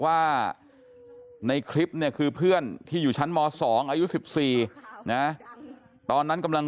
ว่าในคลิปเนี่ยคือเพื่อนที่อยู่ชั้นม๒อายุ๑๔นะตอนนั้นกำลัง